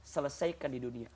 selesaikan di dunia